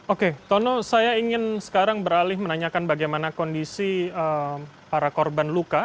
oke tono saya ingin sekarang beralih menanyakan bagaimana kondisi para korban luka